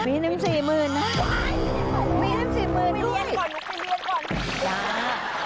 มีน้ำสี่หมื่นน่ะมีน้ำสี่หมื่นด้วยเรียนก่อนเรียนก่อน